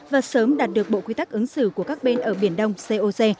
và sớm đạt được bộ quy tắc ứng xử của các bên ở biển đông coc